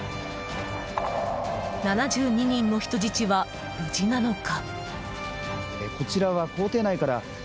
７２人の人質は無事なのか。